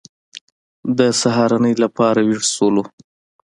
د سهارنۍ لپاره وېښ شولو.